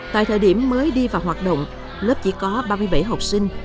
tại thời điểm mới đi vào hoạt động lớp chỉ có ba mươi bảy học sinh